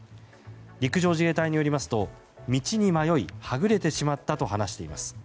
陸上自衛隊によりますと道に迷いはぐれてしまったと話しています。